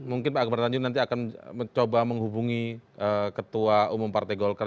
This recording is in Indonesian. mungkin pak akbar tanjung nanti akan mencoba menghubungi ketua umum partai golkar